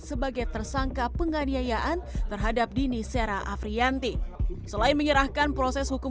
sebagai tersangka penganiayaan terhadap dini sera afrianti selain menyerahkan proses hukum